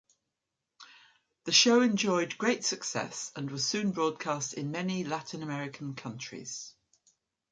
The show enjoyed great success and was soon broadcast in many Latin American countries.